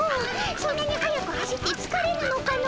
そんなに速く走ってつかれぬのかの？